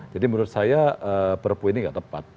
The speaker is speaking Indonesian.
jadi menurut saya perpu ini gak tepat